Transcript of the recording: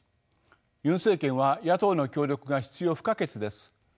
ユン政権は野党の協力が必要不可欠です。